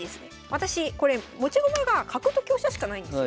私これ持ち駒が角と香車しかないんですよ。